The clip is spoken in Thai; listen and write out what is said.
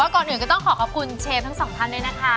ขอบคุณเชฟทั้งสองท่านด้วยนะคะ